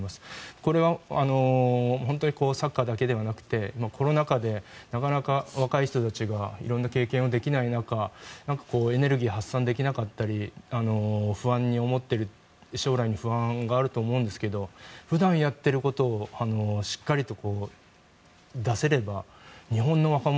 これは本当にサッカーだけではなくてコロナ禍でなかなか若い人たちが色んな経験ができない中エネルギー発散できなかったり不安に思っている、将来に不安があると思うんですけど普段やっていることをしっかりと出せれば日本の若者